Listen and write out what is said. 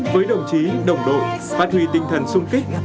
với đồng chí đồng đội phát huy tinh thần sung kích